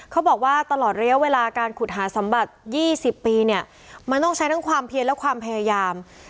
เขาบอกว่าตลอดระยะเวลาการขุดหาสมบัติ๒๐ปีเนี่ยมันต้องใช้ทั้งความเพียรและความพยายาม